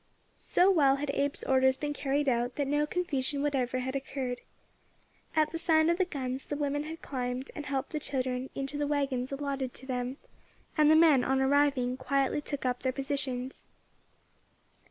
So well had Abe's orders been carried out, that no confusion whatever had occurred. At the sound of the guns the women had climbed, and helped the children, into the waggons allotted to them, and the men, on arriving, quietly took up their positions.